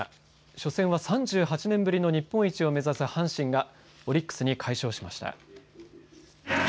初戦は３８年ぶりの日本一を目指す阪神がオリックスに快勝しました。